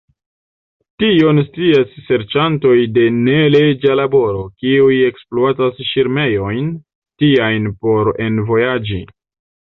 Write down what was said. Tion scias serĉantoj de neleĝa laboro, kiuj ekspluatas ŝirmejojn tiajn por envojaĝi.